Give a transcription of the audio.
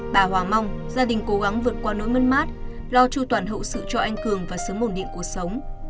bà hòa mong gia đình cố gắng vượt qua nỗi mất mát lo tru toàn hậu sự cho anh cường và sớm ổn định cuộc sống